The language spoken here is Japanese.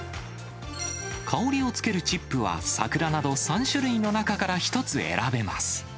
香りをつけるチップは、桜など３種類の中から１つ選べます。